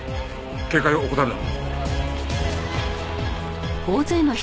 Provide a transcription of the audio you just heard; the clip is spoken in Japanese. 警戒を怠るな。